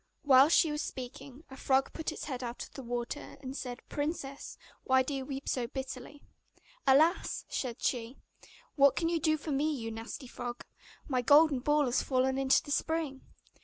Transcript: Whilst she was speaking, a frog put its head out of the water, and said, 'Princess, why do you weep so bitterly?' 'Alas!' said she, 'what can you do for me, you nasty frog? My golden ball has fallen into the spring.